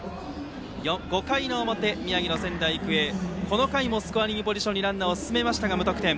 ５回の表、宮城の仙台育英この回もスコアリングポジションにランナーを進めましたが無得点。